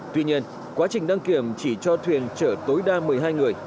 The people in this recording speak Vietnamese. tuy nhiên quá trình đăng kiểm chỉ cho thuyền chở tối đa một mươi hai người